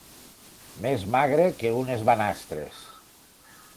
Més magre que unes banastres.